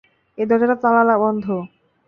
এই দরজাটা তালা বন্ধ।